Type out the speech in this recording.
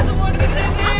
semua di sini